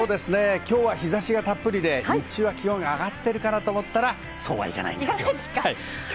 今日は日差しがたっぷりで日中は気温が上がってるかなと思ったらそうはいかないんです。